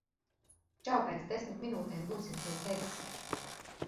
Čau, pēc desmit minūtēm būsim pie tevis.